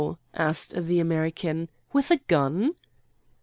asked the American; "with a gun?"